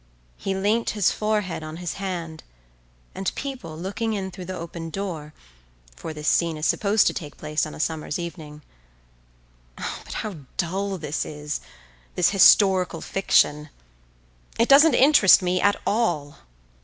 He leant his forehead on his hand, and people, looking in through the open door,—for this scene is supposed to take place on a summer's evening—But how dull this is, this historical fiction! It doesn't interest me at all.